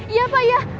iya pak ya